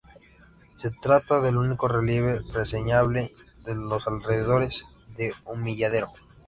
Se trata del único relieve reseñable de los alrededores de Humilladero.